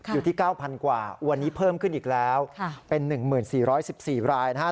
อยู่ที่๙๐๐กว่าวันนี้เพิ่มขึ้นอีกแล้วเป็น๑๔๑๔รายนะฮะ